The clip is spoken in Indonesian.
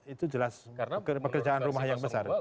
itu jelas pekerjaan rumah yang besar